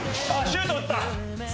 シュート打った！